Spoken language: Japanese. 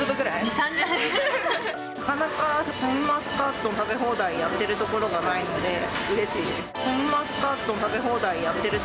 シャインマスカット食べ放題やってるところがないので、うれしいです。